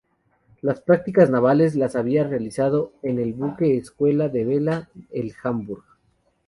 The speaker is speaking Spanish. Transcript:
Las prácticas navales las había realizado en un buque escuela de vela, el "Hamburg".